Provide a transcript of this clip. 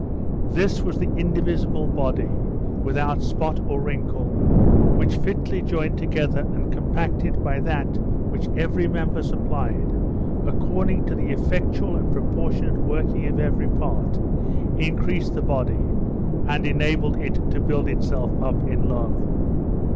This was the indivisible body, 'without spot or wrinkle, which fitly joined together and compacted by that which every member supplied, according to the effectual and proportionate working of every part, increased the body, and enabled it to build itself up in Love!